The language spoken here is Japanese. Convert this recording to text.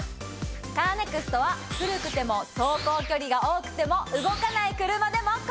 カーネクストは古くても走行距離が多くても動かない車でも。